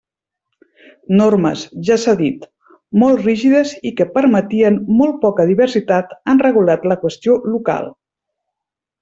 Normes, ja s'ha dit, molt rígides i que permetien molt poca diversitat han regulat la qüestió local.